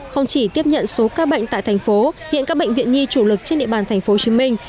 không chỉ tiếp nhận số ca bệnh tại thành phố hiện các bệnh viện nhi chủ lực trên địa bàn thành phố hồ chí minh